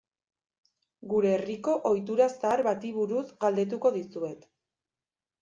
Gure herriko ohitura zahar bati buruz galdetuko dizuet.